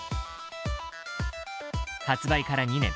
発売から２年。